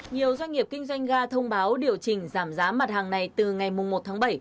nhiều doanh nghiệp kinh doanh ga thông báo điều chỉnh giảm giá mặt hàng này từ ngày một tháng bảy